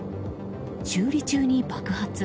修理中に爆発。